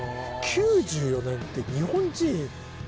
９４年って日本人ま